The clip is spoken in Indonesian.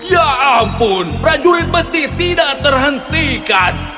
ya ampun prajurit besi tidak terhentikan